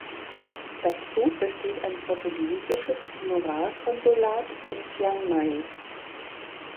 Dazu besteht ein portugiesisches Honorarkonsulat in Chiang Mai.